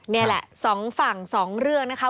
นี่แหละสองฝั่งสองเรื่องนะคะ